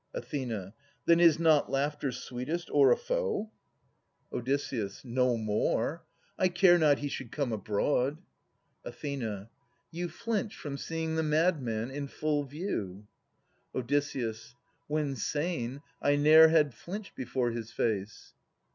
Ath. Then is not laughter sweetest o'er a foe ? 56 Ai'as [80 108 Od. No more ! I care not he should come abroad. Ath. You flinch from seeing the madman in full view. Od. When sane, I ne'er had flinched before his face.